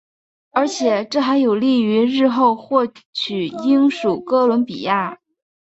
而且这还有利于日后获取英属哥伦比亚。